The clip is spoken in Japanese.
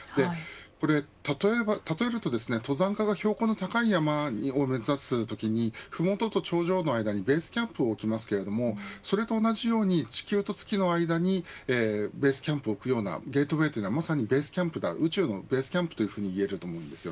これ、例えると登山家が標高の高い山を目指すときにふもとと頂上の間にベースキャンプを置きますがそれと同じように地球と月の間にベースキャンプを置くようなゲートウェイというのはまさに宇宙のベースキャンプといえると思います。